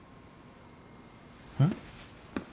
うん？